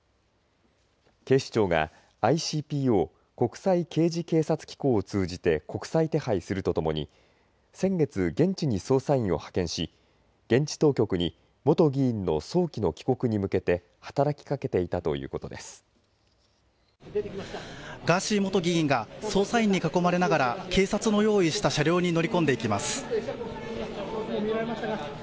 警視庁がＩＣＰＯ＝国際刑事警察機構に国際手配するとともに先月、現地に捜査員を派遣し現地当局に元議員の早期の帰国に向けてガーシー元議員が捜査員に囲まれながら警察の用意した車両に乗り込んでいきます。